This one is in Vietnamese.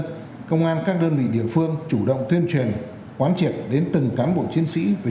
là cục khoa học chiến lược và lịch sử công an các đơn vị địa phương tiếp thu đầy đủ nghiêm túc các ý kiến tham luận